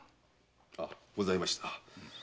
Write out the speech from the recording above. あございました。